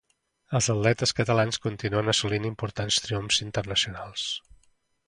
Els atletes catalans continuen assolint importants triomfs internacionals.